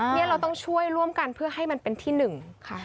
นี่เราต้องช่วยร่วมกันเพื่อให้มันเป็นที่หนึ่งค่ะ